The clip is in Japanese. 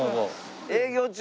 「営業中」。